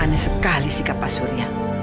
aneh sekali sih kata pak suri ya